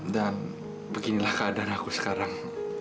dan beginilah keadaan aku sekarang